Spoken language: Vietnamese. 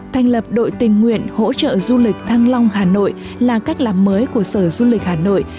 thành lập đội tình nguyện hỗ trợ du lịch thăng long hà nội là cách làm mới của sở du lịch hà nội